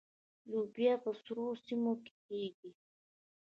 لوبیا په سړو سیمو کې کیږي.